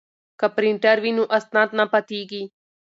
که پرینټر وي نو اسناد نه پاتیږي.